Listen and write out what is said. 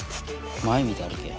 前見て歩けよ。